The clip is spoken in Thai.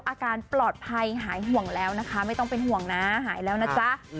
อาการปลอดภัยหายห่วงแล้วนะคะไม่ต้องเป็นห่วงนะหายแล้วนะจ๊ะ